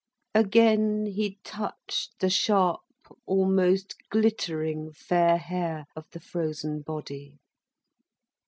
Again he touched the sharp, almost glittering fair hair of the frozen body.